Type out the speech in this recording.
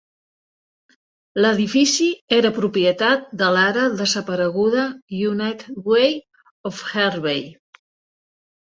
L'edifici era propietat de l'ara desapareguda United Way of Harvey.